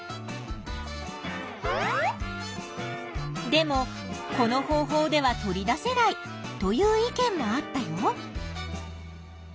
でもこの方法では取り出せないという意見もあったよ。